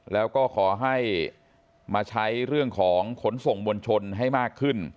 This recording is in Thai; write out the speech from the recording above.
แล้วก็ขอให้มาใช้เรื่องของขนส่งมวลชนให้มากขึ้น